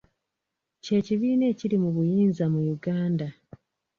Kye kibiina ekiri mu buyinza mu Uganda